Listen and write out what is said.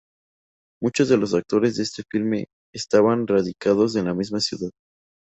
Muchos de los actores de este filme estaban radicados en la misma ciudad.